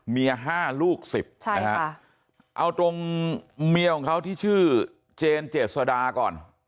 ๕ลูก๑๐นะฮะเอาตรงเมียของเขาที่ชื่อเจนเจษดาก่อน